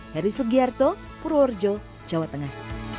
heri sugiarto purworejo jawa tengah